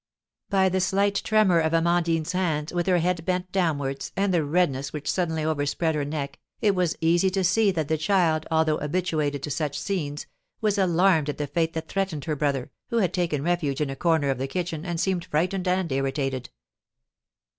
By the slight tremor of Amandine's hands, with her head bent downwards, and the redness which suddenly overspread her neck, it was easy to see that the child, although habituated to such scenes, was alarmed at the fate that threatened her brother, who had taken refuge in a corner of the kitchen, and seemed frightened and irritated.